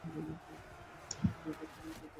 নদীর পানিই খেতে হবে।